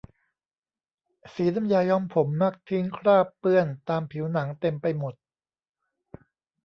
สีน้ำยาย้อมผมมักทิ้งคราบเปื้อนตามผิวหนังเต็มไปหมด